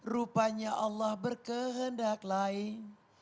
rupanya allah berkehendak lain